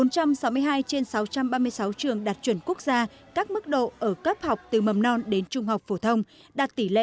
bốn trăm sáu mươi hai trên sáu trăm ba mươi sáu trường đạt chuẩn quốc gia các mức độ ở cấp học từ mầm non đến trung học phổ thông đạt tỷ lệ bảy mươi hai sáu mươi bốn